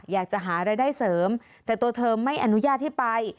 อยากจะหารายได้เสริมแต่ตัวเธอไม่อนุญาตให้ไป